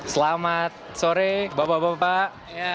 selamat sore bapak bapak